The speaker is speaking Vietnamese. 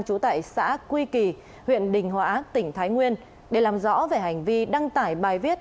trú tại xã quy kỳ huyện đình hóa tỉnh thái nguyên để làm rõ về hành vi đăng tải bài viết